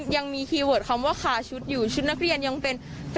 ยังมีคีย์เวิร์ดคำว่าขาชุดอยู่ชุดนักเรียนยังเป็น